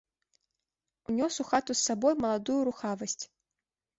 Унёс у хату з сабой маладую рухавасць.